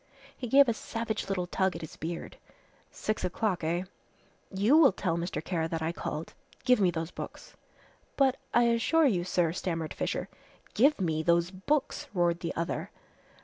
He gave a savage little tug at his beard. "Six o'clock, eh? You will tell Mr. Kara that I called. Give me those books." "But I assure you, sir, " stammered Fisher. "Give me those books!" roared the other.